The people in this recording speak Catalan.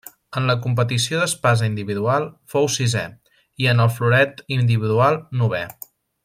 En la competició d'espasa individual fou sisè i en el floret individual novè.